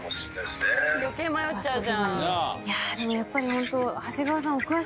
でもやっぱりホント。